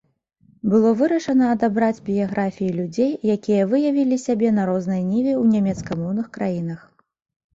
Было вырашана адабраць біяграфіі людзей, якія выявілі сябе на рознай ніве ў нямецкамоўных краінах.